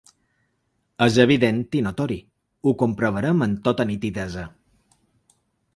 És evident i notori, ho comprovarem amb tota nitidesa.